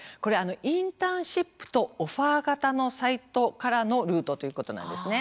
「インターンシップ」と「オファー型のサイト」からのルートということなんですね。